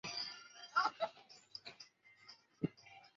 后来侯升任为主治医师。